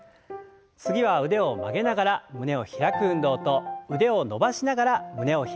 次は腕を曲げながら胸を開く運動と腕を伸ばしながら胸を開く運動。